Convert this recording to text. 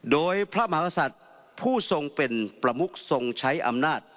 โดยพระมหากษัตริย์ผู้ทรงเป็นประมุกทรงใช้อำนาจ